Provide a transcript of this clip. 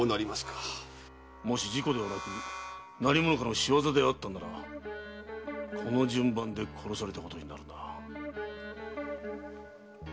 もし事故ではなく何者かの仕業であったならこの順番で殺されたことになるな。